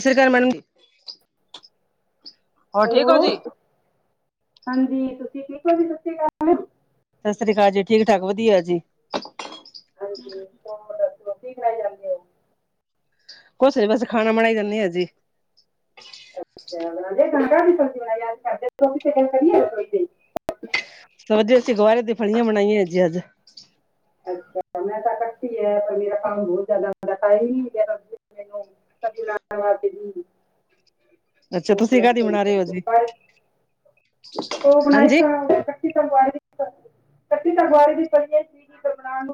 ਸ੍ਰੀ ਗਰ ਮਨ। ਹੋਰ ਠੀਕ ਹੋ ਹੈਲੋ ਜੀ? ਹਾਂਜੀ, ਤੁਸੀਂ ਠੀਕ ਹੋ ਜੀ, ਸਤਿ਼ ਸਤਿ ਸ੍ਰੀ ਆਕਾਲ ਜੀ, ਠੀਕ ਠਾਕ ਵਧੀਆ ਜੀ। ਹਾਂਜੀ ਹੋਰ ਦੱਸੋ ਕੀ ਬਨਾਇਆ ਕੁਸ ਨੀ, ਬਸ ਖਾਣਾ ਬਣਾਈ ਜਾਣੇ ਆ ਜੀ। [unintelligible] ਹੋਰ ਜੀ ਅਸੀਂ ਗੁਆਰੇ ਦੀ ਫਲੀਆਂ ਬਣਾਈਆਂ ਜੀ ਅੱਜ। ਅੱਛਾ ਮੈਂ ਤਾਂ ਕੱਟੀ ਐ ਪਰ ਮੇਰਾ ਕੰਮ ਬਹੁਤ ਜਿਆਦਾ ਹੁੰਦਾ ਟਾਈਮ ਹੀ ਨਹੀਂ ਮਿਲਿਆ [unintelligible] ਅੱਛਾ ਹੁਣ ਤੁਸੀਂ ਮੈਂ ਕਾਹਦੀ ਕਿਹਾ ਬਣਾ ਰਸੋਈ ਰਹੇ ਹੋ ਚ। ਜੀ? ਪਰ ਉਹ ਬਣਾਈ ਹਾਂਜੀ। ਤਾਂ ਕੱਟੀ ਕੱਟੀ ਤਾ ਬਾਹਲੀ ਦੀ ਪਈ ਏ ਜੀ।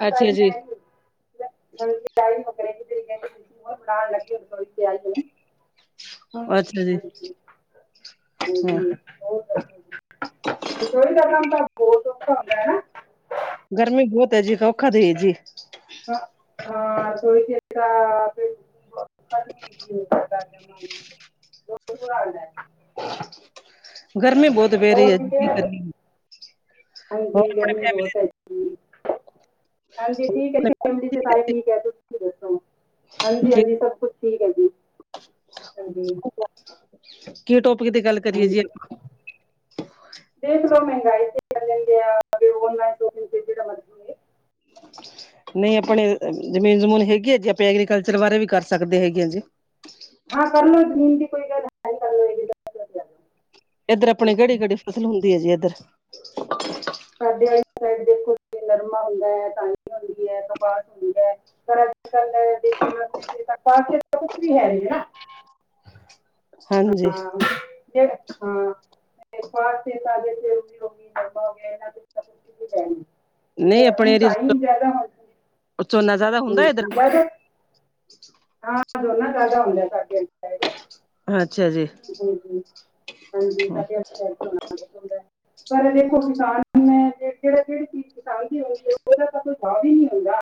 ਅੱਛਾ ਜੀ। ਤੁਸੀਂ ਬਣਾਉਣ ਲੱਗੇ ਤਿਆਰੀ ਏ। ਅੱਛਾ ਜੀ, ਹੂ। ਰਸੋਈ ਦਾ ਕੰਮ ਤਾਂ ਬਹੁਤ ਔਖਾ ਹੁੰਦਾ ਐ ਗਰਮੀ ਬਹੁਤ ਐ ਜੀ, ਔਖਾ ਤੇ ਹੈ ਜੀ। ਹਾਂ ਰਸੋਈ ਚ ਤਾ [unintelligible] ਗਰਮੀ ਬਹੁਤ ਪੈ ਰਹੀ ਹੋਰ ਹੈ ਜੀ ਠੀਕ ਕੀ ਐ, ਕਰੀਏ। ਹੋਰ ਹਾਂਜੀ ਆਪਣੇ ਗਰਮੀ ਫੈਮਲੀ ਬਹੁਤ ਐ ਜੀ। ਹਾਂਜੀ ਠੀਕ ਏ ਫੈਮੀ ਤੇ ਸਾਰੇ ਠੀਕ ਹੈ। ਦੱਸੋ? ਹਾਂਜੀ ਠੀਕ ਹਾਂਜੀ ਸਭ ਕੁਛ ਠੀਕ ਹੈ ਜੀ ਹਾਂਜੀ। ਕੀ ਟੋਪਿਕ ਦੀ ਗੱਲ ਕਰੀਏ ਜੀ ਹਾਂਜੀ, ਅਪ ਦੇਖ ਲੋ ਮਹਿੰਗਾਈ ਤੇ ਕਰ ਲੈਂਦੇ ਆ। ੳਵਰ ਨਾਈਟ ਤੇ ਜੇੜਾ ਮਰਜੀ ਨਹੀਂ ਆਪਣੇ ਜਮੀਨ ਜਮੂਨ ਹੈਗੀ ਹੈ ਜੀ ਆਪਾਂ ਐਗਰੀਕਲਚਰ ਬਾਰੇ ਵੀ ਕਰ ਸਕਦੇ ਹੈਗੇ ਆ ਜੀ। ਹਾਂ ਕਰ ਲ ਲੋ ਜ਼ਮੀਨ ਦੀ ਕੋਈ ਗੱਲ ਕਰ ਲਓ ਇਹ ਗੱਲ ਕਰ ਲਓ। ਇੱਧਰ ਆਪਣੀ ਕਿਹੜੀ ਕਿਹੜੀ ਫ਼ਸਲ ਹੁੰਦੀ ਹੈ ਜੀ ਇੱਧਰ ਸਾਡ ਵਾਲੀ ਸਾਈਡ ਦੇਖੋ ਜੀ ਨਰਮਾ ਹੁੰਦਾ ਹੈ, ਕਣਕ ਹੁੰਦੀ ਹੈ, ਕਪਾਹ ਹੁੰਦੀ ਹੈ। ਪਰ ਅੱਜ ਕੱਲ ਦੇ ਪਾਸ ਤਾਂ ਕੁਛ ਵੀ ਹੈਗੀ ਨਾ ਹਾਂਜੀ ਹਾਂ ਹਾਂ। ਪਾ ਛ ਸਥ ਹੋ ਗ ਨਮਾ ਹੋ ਗਿਆ ਇਹਨਾਂ ਲੈ ਨਈ ਅਪਣੇ ਏਰੀਏ ਚ ਉਥੋਂ ਝੋਨਾ ਜੈਦਾ ਹੁੰਦਾ ਇਧਰ। ਜ਼ਿਆਦਾ ਹਾਂ, ਝੋਨਾ ਜੈਦਾ ਹੁੰਦਾ ਸਾਡੇ। ਅੱਛਾ ਜੀ। ਹੂੰ, ਹਾਂਜੀ ਸਾਡੇ ਆਲੀ ਪਰ ਦੇਖੋ ਕਿਸਾਨ ਨੇ ਕੇੜਾ ਕੇੜੀ ਚੀਜ਼ ਕਿਸਾਨ ਦੀ ਓਦਾ ਤਾ ਕੋਈ ਸਾ ਵੀ ਨੀ ਔਂਦਾ।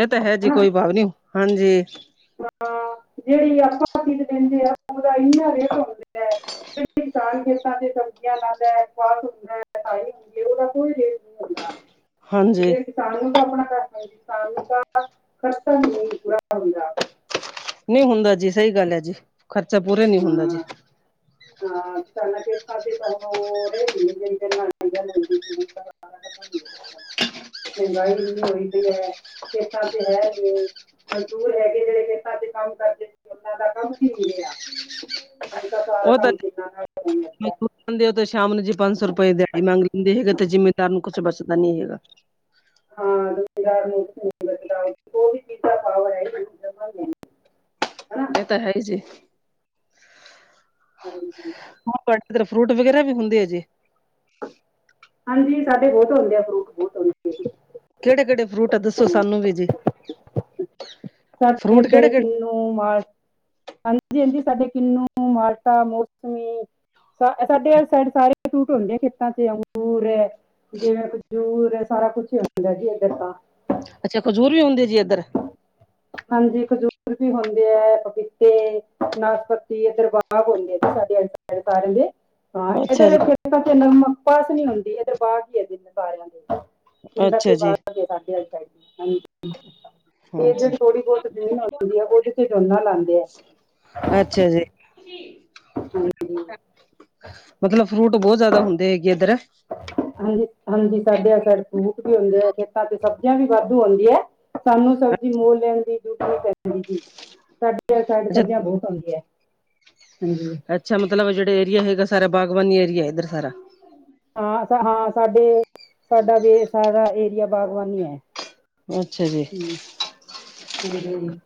ਏ ਤਾਂ ਹੈ ਜੀ ਕੋਈ ਬਾਤ ਨੀ, ਹਾਂਜੀ। ਹਾਂ, ਜੇੜੀ ਆਪਾਂ ਚੀਜ਼ ਲੈਂਦੇ ਆ ਉਦਾ ਇੰਨਾ ਰੇਟ ਹੁੰਦਾ ਹੈ ਜਿਹੜੀ ਕਿਸਾਨ ਖੇਤਾਂ ਤੇ ਸਬਜ਼ੀਆਂ ਲਾਦਾ ਏ [unintelligible] ਹੁੰਦਾ‌ [unintelligible] ਕੋਈ ਰੇਟ ਨਈ। ਹਾਂਜੀ। ਸਾਨੂੰ ਤਾਂ ਅਪਣਾ ਜੀ ਸਾਨੂੰ ਤਾਂ ਖਰਚਾ ਵੀ ਨੀ ਨਿਕਲਦਾ। [unintelligible] ਨਈ ਹੁੰਦਾ ਜੀ ਸਈ ਗੱਲ ਐ ਜੀ ਖਰਚਾ ਪੂਰਾ ਨੀ ਹੁੰਦਾ ਜੀ। ਹਾਂ ਹਾਂ, ਪੈਲਾਂ ਖੇਤਾਂ ਚ [unintelligible] [inaudible] ਮਹਿੰਗਾਈ ਵੀ ਹੋਈ ਪਈ ਐ, ਖੇਤਾਂ ਤੇ ਹੈ ਵੀ ਮਜ਼ਦੂਰ ਹੈਗੇ ਜੇੜੇ ਖੇਤਾਂ ਚ ਕੰਮ ਕਰਦੇ ਸੀ ਉਨਾ ਦਾ ਕੰਮ ਕੀ ਮਿਲਿਆ। [unintelligible] ਉਹ ਤਾਂ ਮਜ਼ਦੂਰ ਜਾਂਦੇ ਓਤੇ ਸ਼ਾਮ ਨੂੰ ਜੀ ਪੰਜ ਸੌ ਰੁਪਏ ਦਿਆੜੀ ਮੰਗ ਲੈਂਦੇ ਹੈਗੇ ਤੇ ਜਿਮੀਦਾਰ ਨੂੰ ਕੁਛ ਬਚਦਾ ਨੀ ਹੈਗਾ। ਹਾਂ। ਦਾ ਉਹ ਵੀ ਚੀਜ਼ ਦਾ ਪਾਵਰ ਹੈ ਇਹ ਜਮਾਂ ਨਹੀਂ ਹਨਾ ਏ ਤਾਂ ਹੈਈ ਜੀ। ਹਾਂਜੀ ਹ [unintelligible] ਫਰੂਟ ਵਗੈਰਾ ਵੀ ਹੁੰਦੇ ਆ ਜੀ। ਹਾਂਜੀ, ਸਾਡੇ ਬੌਤ ਹੁੰਦੇ ਆ ਫਰੂਟ ਬੌਤ ਹੁੰਦੇ ਐ। ਕੇੜੇ-ਕੇੜੇ ਫਰੂਟ ਆ ਦੱਸੋ ਸਾਨੂੰ ਵੀ ਜੀ। ਸਾਡੇ ਫਰੂਟ ਇਧਰ ਕਿਹੜੇ ਕਿਹੜੇ ਕਿਨੂੰ ਮਾਲ ਹਾਂਜੀ-ਹਾਂਜੀ, ਸਾਡੇ ਕਿਨੂੰ, ਮਾਲਟਾ, ਮੌਸਮੀ ਸਾ ਸਾਡੇ ਆਲ ਸਾਈਡ ਸਾਰੇ ਫਰੂਟ ਹੁੰਦੇ ਆ ਖੇਤਾਂ ਚ ਅੰਗੂਰ ਜਿਵੇਂ ਖਜੂਰ ਸਾਰਾ ਕੁਛ ਈ ਹੁੰਂਦਾ ਜੀ ਇੱਧਰ ਤਾਂ। ਅੱਛਾ, ਖਜੂਰ ਵੀ ਹੁੰਦੀ ਜੀ ਇੱਧਰ। ਹਾਂਜੀ, ਖਜੂਰ ਵੀ ਹੁੰਦੇ ਐ, ਪਪੀਤੇ, ਨਾਸ਼ਪਤੀ ਏਦਰ ਬਾਗ ਹੁੰਦੇ ਐ ਜੀ ਸਾਡੇ ਆਲ [unintelligible] ਹਾਂ, ਅੱਛਾ ਜੀ ਇਧਰ ਫ ਪਾਸ ਨੀ ਹੁੰਦੀ ਇਧਰ ਬਾ ਕੀ ਐ ਸਾਰਿਆਂ ਦੇ ਪਿੰਡਾਂ ਅੱਛਾ ਤੇ ਬਾਰ ਜੀ ਸਾਡੇ ਆਲੀ ਸਾਈਡ, ਹਾਂਜੀ। ਤੇ ਹਾਂਜੀ ਜੇੜੀ ਥੋੜੀ ਬੌਤ ਜ਼ਮੀਨ ਹੁੰਦੀ ਐ ਉਦੇ ਤੇ ਝੋਨਾ ਲਾਂਦੇ। ਅੱਛਾ ਜੀ, ਹਾਂਜੀ ਮਤਲਬ ਫਰੂਟ ਬੌਤ ਜੈਦਾ ਹੁੰਦੇ ਹੈਗੇ ਇੱਧਰ। ਹਾਂਜੀ, ਹਾਂਜੀ, ਸਾਡੇ ਫਰੂਟ ਵੀ ਹੁੰਦੇ ਆ, ਖੇਤਾਂ ਚ ਸਬਜ਼ੀਆਂ ਵੀ ਵਾਧੂ ਹੁੰਦੀਆਂ। ਸਾਨੂੰ ਅੱਛਾ ਸਬਜ਼ੀ ਮੁੱਲ ਲੈਣ ਦੀ ਜ਼ਰੂਰਤ ਨੀ ਪੈਂਦੀ ਜੀ, ਸਾ ਡੀ ਸਾਈਡ ਸਬਜ਼ੀਆਂ ਬੌਤ ਹੁਂਦੀਆਂ, ਹਾਂਜੀ। ਅੱਛਾ, ਮਤਲਬ ਜੇੜੇ ਏਰੀਆ ਹੈਗਾ, ਸਾਰਾ ਬਾਗਬਾਨੀ ਏਰੀਆ ਐ ਇੱਧਰ, ਸਾਰਾ। ਹਾਂ ਸਾ ਹਾਂ ਸਾਡੇ ਸਾਡਾ ਵੀ ਸਾਰਾ ਏਰੀਆ ਬਾਗਬਾਨੀ ਐ। ਅੱਛਾ ਜੀ ਹੂੰ [unintelligible]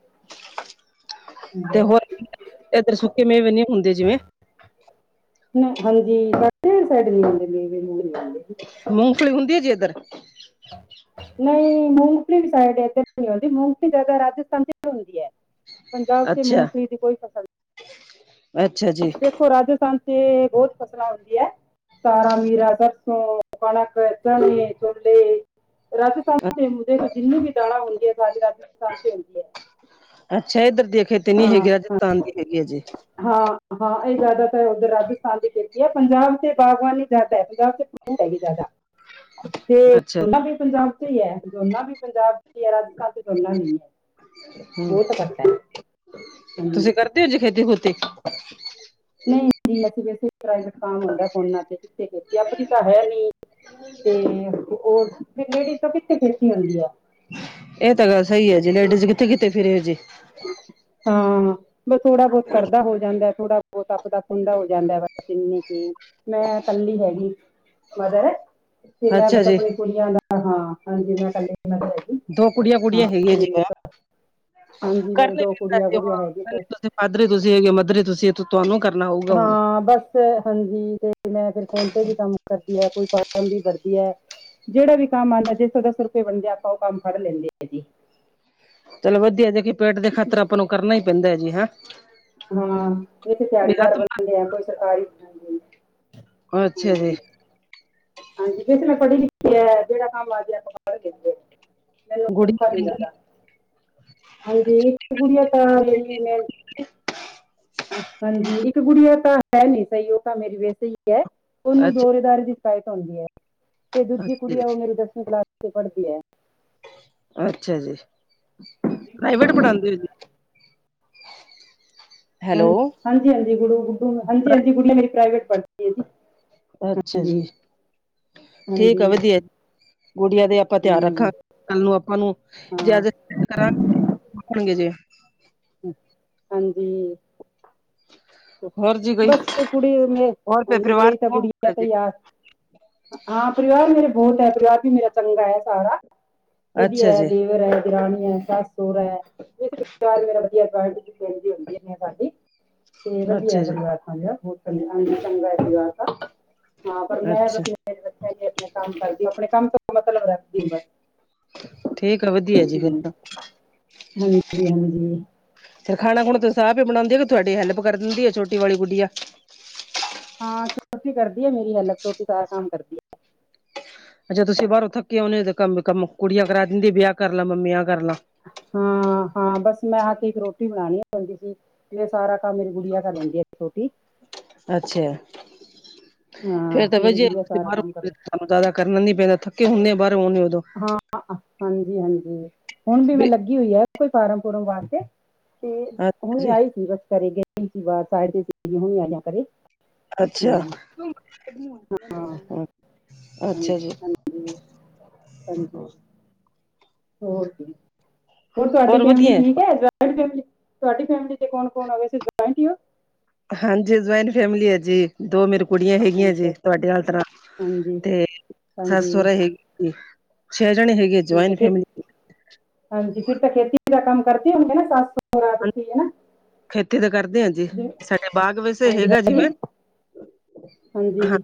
ਤੇ ਹੂੰ। ਹੋਰ, ਇੱਧਰ ਸੁੱਕੇ ਮੇਵੇ ਨੀ ਹੁੰਦੇ, ਜਿਵੇਂ। ਹਾਂਜੀ, ਸਾਡੇ ਵੀ ਸੈਡ ਨੀ ਹੁਂਦੇੇ ਮੇਵੇ ਮੁਵੇ [unintelligible] ਮੂੰਫਲੀ ਹੁੰਦੀ ਐ ਜੀ ਇੱਧਰ। [inaudible] ਨਈ, ਮੂੰਫਲੀ ਵੀ ਸਾਡੇ ਇੱਥੇ ਨਈ ਮਿਲਦੀ, ਮੂੰਫਲੀ ਜੈਦਾ ਰਾਜਸਥਾਨ ਚ ਹੁੰਦੀ ਐ। ਪੰਜਾਬ ਚ ਅੱਛਾ ਮੂੰਗਫਲੀ ਦੀ ਕੋਈ ਫ਼ਸਲ ਨਹੀਂ। ਅੱਛਾ ਜੀ। ਦੇਖੋ ਰਾਜਸਥਾਨ ਤੇ ਬਹੁਤ ਫਸਲਾਂ ਹੁੰਦੀਆ ਹੈ। ਤਾਰਾਂ ਮੀਰਾ ਸਸੋਂ ਕਣਕ ਤਣੇ ਚੱਲੇ। [unintelligible] ਰਾਜਸਥਾਨ ਦੇ ਮੁਦੇ ਜਿੰਨਨੀ ਵੀ ਦਾਲਾ ਹੁੰਦੀ ਹੈ ਸਾਰੀ ਰਾਜਸਥਾਨ ਤੇ ਹੁੰਦੀ ਹੈ। ਅੱਛਾ ਇੱਧਰ ਦੀਆਂ ਖੇਤੀ ਨੀ ਹੈਗੀ ਤਾਂਤ੍ਰਿਕ ਹੈਗੀ ਹੈ ਜੀ ਹਾਂ, ਹਾਂ, ਇਹ ਜ਼ਿਆਦਾ ਤਾਂ ਉੱਧਰ ਰਾਜਸਥਾਨ ਦੀ ਖੇਤੀ ਹੈ। ਪੰਜਾਬ 'ਚ ਬਾਗਬਾਨੀ। ਜ਼ਿਆਦਾ ਪੰਜਾਬ 'ਚ ਗੇਹੂੰ ਹੈਗੀ, ਜ਼ਿਆਦਾ ਤੇ ਅੱਛਾ ਗੰਨਾ ਵੀ ਪੰਜਾਬ 'ਚ ਹੀ ਹੈ। ਚੋਣਾ ਵੀ ਪੰਜਾਬ ਦੀ ਹੈ। ਰਾਜਸਥਾਨ 'ਚ ਚੋਣਾ ਨਹੀਂ ਹੈ, ਹੂੰ ਬਹੁਤ ਘੱਟ ਹੈ। [unintelligible] ਹਾਂਜੀ। ਤੁਸੀਂ ਕਰਦੇ ਹੋ ਜੇ ਖੇਤੀ ਖੂਤੀ। ਨਹੀਂ ਨਹੀਂ ਅਸੀਂ ਪ੍ਰਾਈਵਟ ਕਾਮ ਹੋਣਦਾ ਫੋਨਾ ਤੇ ਕਿਥੇ ਆਪ ਆਪਣੀ ਤਾਂ ਹੈ ਨੀ। ਤੇ ਹੋਰ, ਲੇਡੀਜ਼ ਤੋਂ ਕਿੱਥੇ ਖੇਤੀ ਹੁੰਦੀ ਆ? ਇਹ ਤਾਂ ਗੱਲ ਸਹੀ ਹੈ ਜੀ ਲੇਡੀਜ਼ ਕਿੱਥੇ ਕਿੱਥ ਫਿਰੇ ਜੀ। ਹਾਂ। ਬਸ ਥੋੜ੍ਹਾ ਬਹੁਤ ਕਰਦਾ ਹੋ ਜਾਂਦਾ, ਥੋੜ੍ਹਾ ਬਹੁਤ ਆਪਣਾ ਖੁੰਢਾ ਹੋ ਜਾਂਦਾ, ਬਸ ਇੰਨੀ ਕੀ। ਮੈਂ ਕੱਲੀ ਹੈਗੀ, ਮਦਰ। ਤੇ ਮੈਂ ਅੱਛਾ ਬਸ ਜੀ ਆਪਣੀ ਕੁੜੀਆਂ ਦਾ ਹਾਂ ਹਾਂਜੀ ਮੈਂ ਕਲੀ ਇਕੇ ਮਾਂ। ਦੋ ਕੁੜੀਆਂ ਕੁੜੀਆਂ ਹੈਗੀਆਂ ਜਿ ਹੈ। ਹਾਂਜੀ ਮੇਰੇ ਦੋ ਕਰਨਨਾੇ ਪੈਂਦਾ ਕੁੜੀਆਂ ਸੀ ਕੁੜੀਆਂ ਹੈਗੀ ਹ ਤੇ ਤੁਸੀਂ ਮਾਧਰੀ ਤੁਸੀਂ ਹੈਗੇ ਮੱਧਰੀ ਤੁਸੀਂ ਤੁਹਾਨੂੰ ਕਰਨਾ ਹੋਊ। ਹਾਂ ਬਸ। ਹਾਂਜੀ, ਤੇ ਮੈਂ ਫਿਰ ਫੋਨ 'ਤੇ ਵੀ ਕੰਮ ਕਰਦੀ ਹਾਂ, ਕੋਈ ਫਾਰਮ ਵੀ ਭਰਦੀ ਹੈ। ਜਿਹੜਾ ਵੀ ਕੰਮ ਆਉਂਦਾ, ਜਿੱਧੋਂ ਦਸ ਰੁਪਏ ਬਣਦੇ ਆ, ਆਪਾਂ ਉਹ ਕੰਮ ਫੜ ਲੈਂਦੇ ਆ ਜੀ। ਚਲੋ ਵਧੀਆ, ਦੇਖੀਏ। ਪੇਟ ਦੇ ਖਾਤਰ ਆਪਾਂ ਨੂੰ ਕਰਨਾ ਹੀ ਪੈਂਦਾ ਹੈ ਜੀ, ਹੈਂ। ਹਾਂ, ਇਹ ਤਾਂ ਵੀ ਤਹਾੜੀਦਾਰ ਹੱਥ ਮਾਰ ਬਣਦੇ ਆ, ਕੋਈ ਸਰਕਾਰੀ। ਹਾਂਜੀ ਅੱਛਾ ਜੀ। ਹਾਂਜੀ ਹਾਂਜੀ, ਜੇ ਮੈਂ ਪੜ੍ਹੀ-ਲਿਖੀ ਹਾਂ, ਜਿਹੜਾ ਕੰਮ ਹੈ ਆਪਾਂ ਪੜ੍ਹ ਲੈਂਦੇ ਹਾਂ। ਮੈਨੂੰ ਗੁੜੀ ਧੋਖਾ ਦਿੱਯਾ ਧਾ, ਹਾਂਜੀ ਇੱਕ ਗੁੜੀੀਆਂ ਤਾਂ ਲਈ ਮੈਂ। ਹਾਂਜੀ, ਇੱਕ ਗੁੜੀਆ ਤਾਂ ਹੈ ਨਹੀਂ ਸਹੀ, ਉਹ ਤਾਂ ਮੇਰੀ ਵੈਸੇ ਹੀ ਹੈ, ਉਹਨੂੰ ਅੱਛਾ ਦੌਰੇਦਾਰੀ ਦੀ। ਸ਼ਿਕਾਇਤ ਹੁੰਦੀ ਹੈ, ਤੇ ਦੂਜੀ ਅੱਛਾ ਕੁੜੀ ਆ, ਉਹ ਮੇਰੀ ਦਸਵੀਂ ਕਲਾਸ 'ਚ ਪੜ੍ਹਦੀ ਹੈ। ਅੱਛਾ ਜੀ, ਪ੍ਰਾਈਵੇਟ ਪੜ੍ਹਾਉਂਦੇ ਜੀ। ਹ ਹੈਲੋ। ਹਾਂਜੀ ਹਾਂਜੀ ਗੂ ਗੁੂ ਹਾਂਜੀ ਹਾਂਜੀ ਗੁੜੀਆਂ ਮੇਰੀ ਪ੍ਰਾਈਵੇਟ ਪੜ੍ਹਦੀ ਹੈ ਜੀ। ਅੱਛਾ ਹਾਂਜੀ ਜੀ, ਠੀਕ ਆ। ਹਾਂਜੀ ਵਧੀਆ ਜੀ, ਗੁੜੀਆਂ ਦਾ ਆਪਾਂ ਧਿਆਨ ਹਮ, ਰੱਖਾਂਗੇ। ਗੱਲ ਨੂੰ ਆਪਾਂ ਨੂੰ ਜੇ ਹਾਂ ਅੱਜ ਕਰਾਂਗੇਣਗੇ ਜੇ। ਹਾਂਜੀ। ਹੋਰ ਜੀ ਕੋਈ ਬਸ ਕੁੜੀ ਮੇ ਹੋਰ ਹਾਂਜੀ, ਪਰਿਵਾਰ ਮੇਰੀ ਚ ਤਾਂ ਕੁੜੀ ਆ ਕੌਣ ਜੀ? ਤੇ ਆਸ। ਹਾਂ, ਪਰਿਵਾਰ ਮੇਰਾ ਬਹੁਤ ਹੈ। ਪਰਿਵਾਰ ਵੀ ਮੇਰਾ ਚੰਗਾ ਹੈ, ਸਾਰਾ ਅੱਛਾ ਵਧੀਆ ਹੈ। ਜੀ, ਦੇਵਰ ਹੈ। ਰਾਣੀ ਹੈ ਸਸ ਸੁਰ ਹੈ ਇਹ ਵਧੀਆ ਖੇ ਹੁੰਦੀ ਸਾਡੀ ਤੇ ਵਧੀਆ ਹੈ ਅੱਛਾ ਜੀ, ਪਰਿਵਾਰ ਸਾਾ ਬਹੁਤ ਚੰ ਚੰਗਾ ਹੈ ਪਰਿਵਾਰ ਹਾਂ ਪਰ ਮੈਂ ਅੱਛਾ। ਬਸ ਰੱਖਿਆ ਜ ਆਪਣੇ ਕੰਮ ਕਰਦੀ ਆਪਣੇ ਕੰਮ ਤੋਂ ਮਤਲਬ ਹਾਂਜੀ- ਠੀਕ ਆ ਵਧੀਆ ਜੀ ਫਿਰ ਤਾਂ, ਹਾਂਜੀ। ਫਿਰ ਖਾਣਾ ਹੁਣ ਤਾਂਸੀਂਾਹ ਹੀ ਬਣਾਉਂਦੀ ਕਿ ਤੁਹਾਡੀ ਹੈਲਪ ਕਰ ਦਿੰਦੀ ਆ ਛੋਟੀ ਵਾਲੀ ਗੁੜਿਆ। ਹਾਂ ਚੋਟੀ ਕਰਦੀ ਹੈ ਮੇਰੀ ਹੈਲਪ ਛੋਟੀ ਸਾਰਾ ਕੰਮ ਕਰਦੀ ਹੈ। ਅੱਛਾ ਤੁਸੀਂ ਬਾਹਰੋਂ ਥੱਕੇ ਆਉਂਣੇ ਹੋ ਕੰਮ ਕੰਮ ਕੁੜੀਆਂ ਕਰਾ ਦਿੰਦੀ ਵਿਆਹ ਕਰ ਲ ਮੰਮੀਆਂ ਕਰ ਲਾਂ ਹਾਂ- ਹਾਂ ਬਸ ਮੈਂ ਆ ਕੇ ਇੱਕ ਰੋਟੀ ਬਣਾਉਣੀ ਪੈਂਦੀ ਸੀ ਮੈਂ ਸਾਰਾ ਮੇਰੀ ਗੁੜਿਆ ਕਰ ਲੈਂਦੀ ਆ ਛੋਟੀ। ਅੱਛਾ ਹਾਂ ਫੇਰ ਤਾਂ ਵ ਬ ਸ ਮੇਰੀ ਗੁੜੀਆ ਸਾਰਾ ਕੰਮ ਕਰ ਜ਼ਿਆਦਾ ਕਰਨਾ ਨੀ ਪੈਂਦਾ ਥੱਕ ਹਦੇ ਬਾਹਰੋਂਨੇ ਉਦੋਂ ਹਾਂ ਹਾਂਜੀ- ਹਾਂਜੀ ਹੁਣ ਵੀ ਮੈਂ ਲੱਗੀ ਹੋਈ ਹੈ ਕੋਈ ਫਾਰਮ ਫਮ ਵਾਸਤੇ ਤੇ ਅੱਛਾ ਹੁਣੀ ਜੀ ਆਈ ਸੀ, ਬਸ ਘਰੇ ਗਈ ਸੀ, ਸਾਰਾ ਦਿਨ ਰੁਕੀ, ਹੁ ਆਈਆ ਘਰੇ। ਅੱਛਾ। ਹਾਂ ਹਾਂਜੀ ਅੱਛਾ ਜੀ -ਹਾਂਜੀ, ਹਾਂਜੀ। ਹੋਰ ਹੋਰ ਤੁਹਾਡੀ ਫੈਮਿਲੀ ਠੀਕ ਹੈ। ਤੁਹਾਡੀ ਫੈਮਲੀ ਚ ਕੌਣ ਕੌਣ ਆ ਗਿਆ ਸੀ, ਜੋਇੰਟ ਹੀ ਔ। ਹਾਂਜੀ ਜੁਆਇੰਟ ਫੈਮਲੀ ਹੈ ਜੀ, ਦੋ ਮੇਰੇ ਕੁੜੀਆਂ ਹੈਗੀਆਂ ਅੱਛਾ ਜੀ ਤੁਹਾਡੇ ਆਲ ਤਰਾ ਹਾਂਜੀ ਤੇ ਸੱਸ ਹਾਂਜੀ ਸੋਹਰਾ ਹੈਗੇ, ਛੇ ਜਣੇ ਹੈਗੇ। ਠੀਕ ਹੈ ਜੁਆਇੰਟ ਫਿਰ, ਫੈਮਿਲੀ ਹਾਂਜੀ ਫਿਰ ਤੇ ਖੇਤੀ ਦਾ ਕੰਮ ਕਰਤੀ ਹੂਨਦੀ ਨਾ, ਸੱਸ ਸੋਰਾ ਨਾਲ ਤੁਸੀਂ ਹੈਨਾ। ਖੇਤੀ ਤਾਂ ਕਰਦੇ ਹਾਂ ਜੀ, ਸਾਡੇ ਬਾਗ ਵੈਸੇ ਹਾਂਜੀ ਹੈਗਾ ਹੈਗੇ ਜਿਵੇਂ, ਹਾਂਜੀ ਹਾਂ।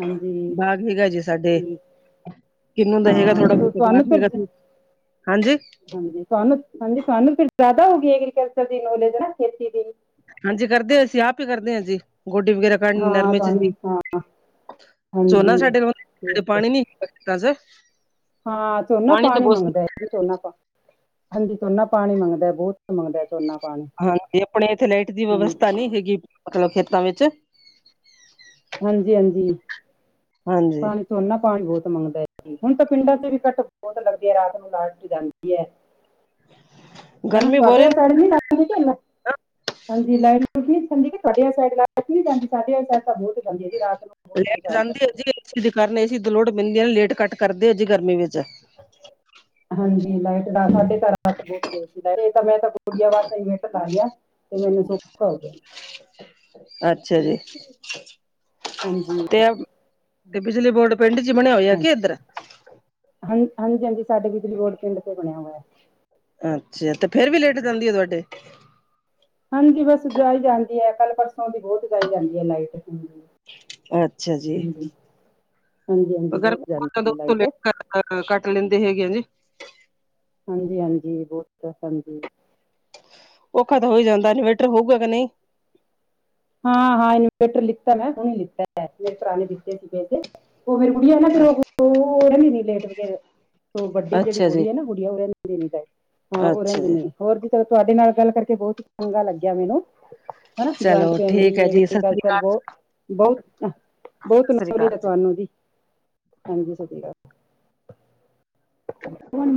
ਹਾਂਜੀ ਬਾਗ ਹੈਗਾ ਜੀ ਸਾਡੇ। ਠੀਕ ਕਿੰਨੂੰ ਦਾ ਹੈਗਾ, ਹਾਂ ਥੋੜਾ ਤੁ- ਬਹੁਤਾ ਤੁਹਾਨੂੰ ਗਾਹਕ ਫਿਰ ਹੈਗਾ, ਹਾਂਜੀ ਹਾਂਜੀ, ਤੁਹਾਨੂੰ, ਹਾਂਜੀ ਤੁਹਾਨੂੰ ਫਿਰ ਜ਼ਿਆਦਾ ਹੋਗੀ ਐ, ਐਗਰੀਕਲਚਰ ਦੀ ਨੌਲੇਜ, ਹੈਨਾ ਖੇਤੀ ਦੀ ਹਾਂਜੀ ਕਰਦੇ, ਅਸੀਂ ਆਪ ਹੀ ਕਰਦੇ ਹਾਂ ਜੀ, ਗੋਡੀ ਵਗੈਰਾ ਕੱ ਹਾਂ ਨਰਮੇ ਚ ਤੁਹਾਨੂੰ ਜੀ, ਹਾਂ ਝੋਨਾ ਹਾਂਜੀ ਸਾਡੇ ਕੋਲ, ਤੇ ਠੀਕ ਹੈ ਪਾਣੀ ਨੀ ਰਾਜੇ ਹਾਂ ਝੋਨਾ ਪਾਣੀ ਹੀ ਮੰਗਦਾ ਐ, ਜੀ ਝੋਨਾ ਪਾ ਹਾਂਜੀ ਝੋਨਾ ਪਾਣੀ ਮੰਗਦਾ, ਬਹੁਤ ਮੰਗਦਾ ਝੋਨਾ ਪਾਣੀ ਹਾਂਜੀ ਆਪਣੇ ਇੱਥੇ ਲਾਈਟ ਦੀ ਹਾਂਜੀ ਵਿਵਸਥਾ ਨਹੀਂ ਹੈਗੀ, ਮਤਲਬ ਖੇਤਾਂ ਵਿੱਚ ਹਾਂਜੀ- ਹਾਂਜੀ ਹਾਂਜੀ ਪਾਣੀ ਸੋਨਾ ਪਾਣੀ ਬਹੁਤ ਮੰਗਦਾ, ਹੁਣ ਤਾਂ ਪਿੰਡਾਂ ਚ ਵੀ ਘੱਟ ਬਹੁਤ ਲੱਗਦੀ ਹੈ, ਰਾਤ ਨੂੰ ਲਾਇਟ ਜਾਂਦੀ ਹੈ। ਹ [unintelligible] ਹੈਨਾ ਤੁਹਾਡੇ ਘਰ ਲਾਈਟ ਨੀ ਜਲਨਾ, ਹਾਂਜੀ ਲਾਈਤ ਲੁੱਟ ਨੀ ਜਾਂਦੀ। ਸਾਡਿਆਂ ਸਾਈਡ ਲਾਈਟ ਨੀ ਜਾਂਦੀ, ਸਾਢੇ ਸਾਈਡ ਤਾਂ ਬਹੁਤ ਜਾਂਦੀ ਹੈ ਜੀ, ਰਾਤ ਨੂੰ ਬਹੁਤ ਲਾਈਟ ਪਰੇਸ਼ਾਨ ਜਾਂਦੀ ਹੈ ਕਰਦੀ ਜੀ, ਏ ਦਾ ਕਾਰਨ ਏ ਲੋਡ ਪੈਂਦੀ ਆਂ, ਲਾਈਟ ਕੱਟ ਕਰਦੇ ਹੈ ਜੀ ਗਰਮੀ ਵਿੱਚ। ਹਾਂਜੀ ਲਾਈਟਾ ਸਾਡੇ ਘਰ ਸਬ ਪੁੱਟ ਗਏ ਸੀ, ਇਹ ਤਾਂ ਮੈਂ ਗੜੀਆਂ ਵਾਸਤੇ ਗੇਟ ਮਿੱਟ ਲਾ ਲਿਆ, ਤੇ ਮੈਨੂੰ ਸੋਖਾ ਹੋ ਗਿਆ। ਅੱਛਾ ਜੀ। ਹਾਂਜੀ ਤੇ ਬਿਜਲੀ ਬੋਰਡ ਪਿੰਡ ਚ ਬਣਿਆ ਹੋਇਆ ਹਾਂ- ਕਿ ਇੱਧਰ ਹਾਂ ਹਾਂਜੀ- ਹਾਂਜੀ, ਸਾਡੇ ਬਿਜਲੀ ਬੋਲ ਪਿੰਡ ਤੇ ਬਣਿਆ ਹੋਇਆ ਹੈ। ਅੱਛਾ, ਤੇ ਫੇਰ ਵੀ ਲਾਈਟ ਜਾਂਦੀ ਹੈ ਤੁਹਾਡੇ ਹਾਂਜੀ ਬਸ ਜਾਈ ਜਾਂਦੀ ਹੈ, ਕੱਲ ਪਰਸੋਂ ਦੀ ਬਹੁਤ ਜਾਈ ਜਾਂਦੀ ਹੈ ਲਾਈਟ ਹਾਂ। ਅੱਛਾ ਹਾਂਜੀ ਹਾਂਜੀ ਜੀਗਰ ਬਹੁਤ ਜਾਂਦੀ ਹੈ ਦੋਸੋ ਲਾਈਟ ਲੈ [unintelligible] ਅਜ ਕੱਲ ਕੱਟ ਲੈਂਦੇ ਹੈਗੇ ਆ ਜੀ। ਹਾਂਜੀ- ਹਾਂਜੀ ਬਹੁਤ ਹਾਂਜੀ। ਔਖਾ ਤਾਂ ਹੋਈ ਜਾਂਦਾ, ਇਨਵਰਟਰ ਹੋਊਗਾ ਕਿ ਨਹੀਂ ਹਾਂ -ਹਾਂ ਇਨਵਰਟਰ ਲਿੱਤਾ ਮੈਂ, ਹੁਨ ਲਿੱਤਾ ਮੇਰੇ ਭਰਾ ਨੇ ਦਿੱਤੇ ਸੀ ਪੈਸੇ। ਉਹਵੇਰੇ ਮੁੜ ਨਾ ਪਿਰ ਉੜਨ ਨੇ ਲ [unintelligible] ਸੋ ਵੱਡੀ ਜਿਹੜੀ ਅੱਛਾ ਜੀ ਬੋਲੀ ਹੈ ਨਾ ਗੁੜੀਆਂ, ਔ ਨਾਨੂੰ ਦੇਂਦੀਦਾ, ਹਾਂ ਉਹ ਅੱਛਾ ਰਹਿੰਦੇ ਜੀ ਨੀ। ਹੋਰ ਜੀ ਚਲੋ, ਤੁਹਾਡੇ ਨਾਲ ਗੱਲ ਕਰਕੇ ਬਹੁਤ ਚੰਗਾ ਲੱਗਿਆ ਮੈਨੂੰ, ਹੈਨਾ ਜਆਇੰਟ। ਚਲੋ ਠੀਕ ਚੰਗੀ ਐ ਹੈ ਜੀ ਐਦੀ ਸਤਿ ਸ੍ਰੀ ਕਲਚਰ ਅਕਾਲ ਬਹੁਤ, ਬਹੁਤ ਸਤਿ ਸ੍ਰੀ ਨਾਜ ਲਈ ਅਕਾਲ ਦਾ ਜੀ। ਤੁਹਾਨੂੰ। ਹਾਂਜੀ ਹਾਂਜੀ ਸਤਿ ਸ੍ਰੀ ਅਕਾਲ,